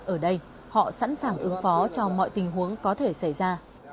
ở đây họ sẵn sàng ứng phó cho mọi tình huống có thể xảy ra